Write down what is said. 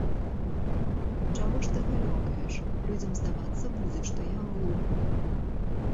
Чаго ж ты галёкаеш, людзям здавацца будзе, што я глух.